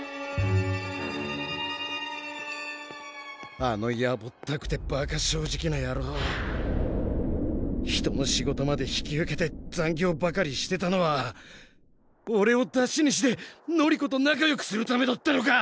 あのやぼったくてバカ正直なやろう人の仕事まで引き受けて残業ばかりしてたのはおれをだしにして紀子と仲よくするためだったのか！